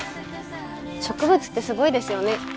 植物ってすごいですよね。